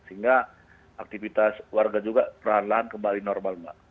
sehingga aktivitas warga juga perlahan lahan kembali normal mbak